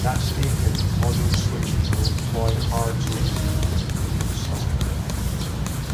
That stated, modern switches will employ hard zoning when you implement soft.